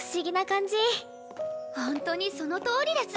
ほんとにそのとおりです